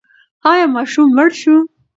ایا ماشوم مړ شو؟